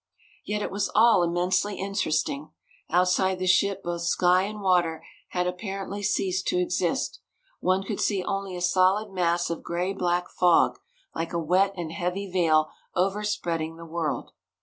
Yet it was all immensely interesting. Outside the ship both sky and water had apparently ceased to exist. One could see only a solid mass of gray black fog like a wet and heavy veil overspreading the world.